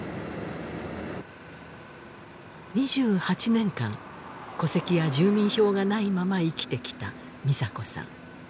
２８年間戸籍や住民票がないまま生きてきた美砂子さん